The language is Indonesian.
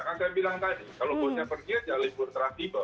kan saya bilang tadi kalau bosnya pergi aja libur transibel